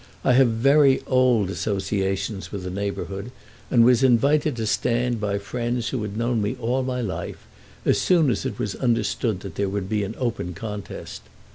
I have very old associations with the neighbourhood, and was invited to stand by friends who had known me all my life as soon as it was understood that there would be an open contest.